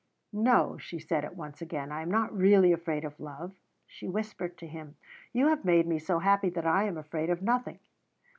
"No," she said at once again. "I am not really afraid of love," she whispered to him. "You have made me so happy that I am afraid of nothing."